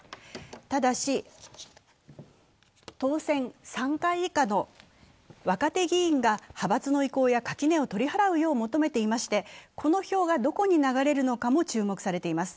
ただし当選３回以下の若手議員が派閥の意向や垣根を取り払うよう求めていましてこの票がどこに流れるのかも注目されています。